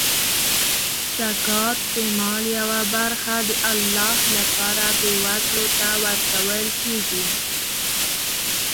زکات د مال یوه برخه د الله لپاره بېوزلو ته ورکول کیږي.